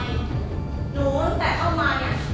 หนูตั้งแต่เข้ามาเนี่ย